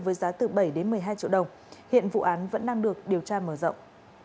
với giá từ bảy đến một mươi hai triệu đồng hiện vụ án vẫn đang được điều tra mở rộng